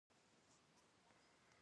مځکه د هېوادونو له مخې نومونه لري.